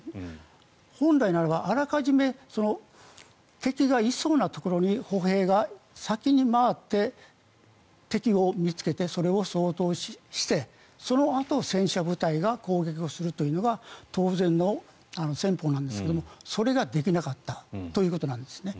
本来ならばあらかじめ敵がいそうなところに歩兵が先に回って敵を見つけてそれを掃討してそのあと戦車部隊が攻撃するというのが当然の戦法なんですがそれができなかったということなんですね。